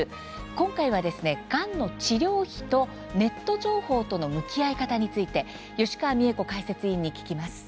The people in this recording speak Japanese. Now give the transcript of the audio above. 今回は、がんの治療費とネット情報との向き合い方について吉川美恵子解説委員に聞きます。